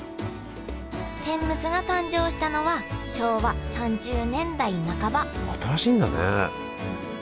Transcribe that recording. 天むすが誕生したのは昭和３０年代半ば新しいんだね。